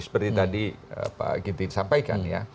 seperti tadi pak ginting sampaikan ya